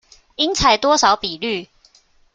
應採多少比率